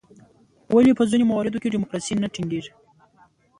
ولې په ځینو مواردو کې ډیموکراسي نه ټینګیږي؟